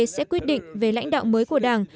sẽ quyết định về lãnh đạo mới của đảng